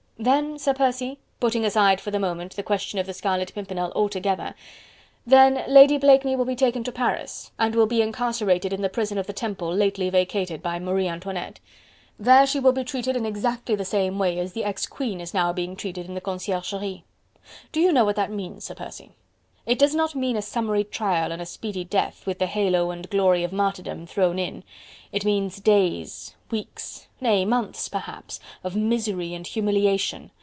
"Then, Sir Percy... putting aside for the moment the question of the Scarlet Pimpernel altogether... then, Lady Blakeney will be taken to Paris, and will be incarcerated in the prison of the Temple lately vacated by Marie Antoinette there she will be treated in exactly the same way as the ex queen is now being treated in the Conciergerie.... Do you know what that means, Sir Percy?... It does not mean a summary trial and a speedy death, with the halo and glory of martyrdom thrown in... it means days, weeks, nay, months, perhaps, of misery and humiliation...